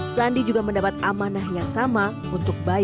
sandi juga mendapat amanah yang sama untuk bayi